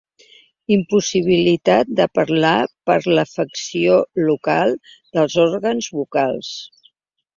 Impossibilitat de parlar per afecció local dels òrgans vocals.